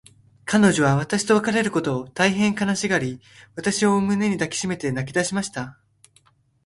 彼女は私と別れることを、大へん悲しがり、私を胸に抱きしめて泣きだしました。